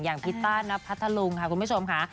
อย่างพี่ต้านพัทลุงคุณผู้ชมค่ะ